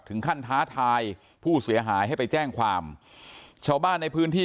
ท้าทายผู้เสียหายให้ไปแจ้งความชาวบ้านในพื้นที่